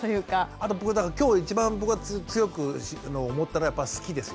あと今日一番僕が強く思ったのはやっぱ「好き」ですよ。